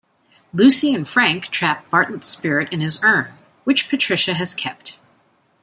Lucy and Frank trap Bartlett's spirit in his urn, which Patricia has kept.